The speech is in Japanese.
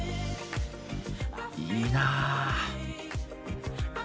いいなぁ。